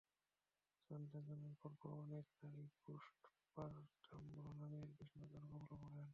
সন্তান জন্মের পরপর অনেক নারীই পোস্ট-পারটাম ব্লু নামের বিষণ্নতার কবলে পড়েন।